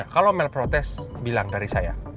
kalau mel protes bilang dari saya